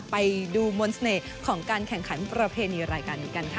ไปดูมนต์เสน่ห์ของการแข่งขันประเพณีรายการนี้กันค่ะ